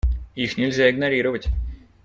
Их нельзя игнорировать.